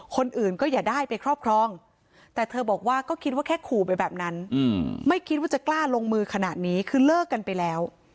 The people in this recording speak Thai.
คนอื่นก็อย่าได้ไปครอบครองแต่เธอบอกว่าก็คิดว่าแค่ขู่ไปแบบนั้นไม่คิดว่าจะกล้าลงมือขนาดนี้คือเลิกกันไปแล้ว